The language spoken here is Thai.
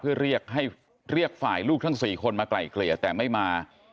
เพื่อเรียกให้เรียกฝ่ายลูกทั้ง๔คนมาไกล่เกลี่ยแต่ไม่มา